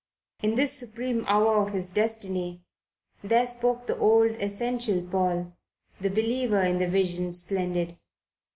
In this supreme hour of his destiny there spoke the old, essential Paul, the believer in the Vision Splendid.